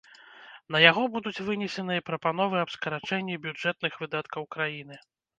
На яго будуць вынесеныя прапановы аб скарачэнні бюджэтных выдаткаў краіны.